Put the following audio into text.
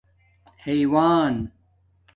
حِیوان